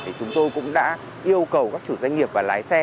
thì chúng tôi cũng đã yêu cầu các chủ doanh nghiệp và lái xe